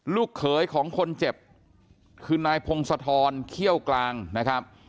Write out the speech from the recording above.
ลูกเขยของคนเจ็บคือนายพงศธรเขี้ยวกลางนะครับ